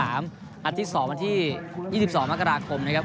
อันที่๒วันที่๒๒มันกราคมนะครับ